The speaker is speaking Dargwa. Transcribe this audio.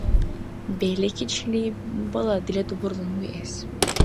Белики, чили бала, дила дубурлан виэс.